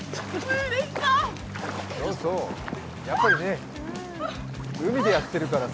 やっぱりね、海でやってるからさ。